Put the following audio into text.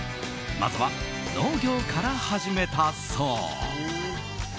まずは農業から始めたそう。